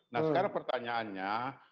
nah sekarang pertanyaannya